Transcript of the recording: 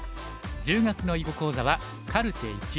１０月の囲碁講座は「カルテ①」。